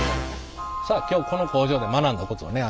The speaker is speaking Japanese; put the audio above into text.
さあ今日この工場で学んだことをね